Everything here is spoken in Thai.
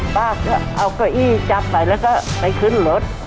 ป้าก็เอาเก้าอี้จับไปแล้วก็ไปขึ้นรถ